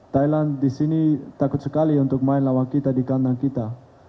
thailand di sini takut sekali untuk main lawan kita di kandang kita